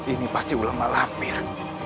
ini pasti ulama lampir